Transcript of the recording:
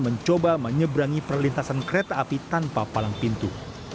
mencoba menyeberangi perlintasan kereta api tanpa palang pintu